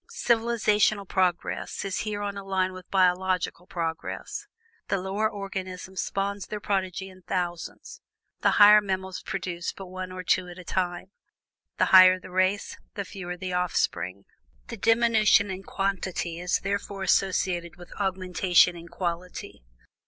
Civilizational progress is here on a line with biological progress. The lower organisms spawn their progeny in thousands, the higher mammals produce but one or two at a time. The higher the race, the fewer the offspring. "Thus diminution in quantity is throughout associated with augmentation in quality.